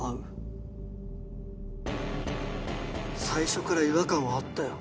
最初から違和感はあったよ。